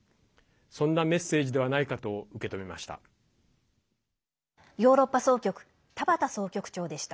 そんなメッセージではないかと受け止めました。